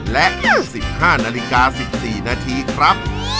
และ๑๕นาฬิกา๑๔นาทีครับ